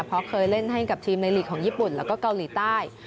เพราะเคยเล่นให้กับทีมในหลีกของญี่ปุ่นแล้วก็เกาหลีใต้